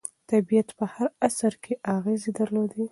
طبیعت په هر عصر کې اغېز درلود.